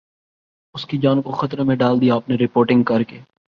اسکی جان کو خطرے میں ڈال دیا آپ نے رپورٹنگ کر کے